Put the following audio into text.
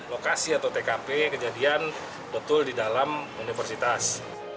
lokasi atau tkp kejadian betul di dalam universitas